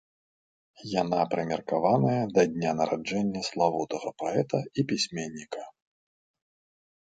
Яна прымеркаваная да дня нараджэння славутага паэта і пісьменніка.